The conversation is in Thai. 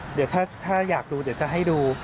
เดี๋ยวถ้าอยากดูเดี๋ยวจะให้ดู